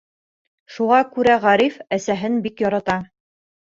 Шуға күрә Ғариф әсәһен бик ярата.